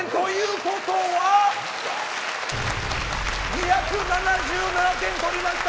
２７７点取りました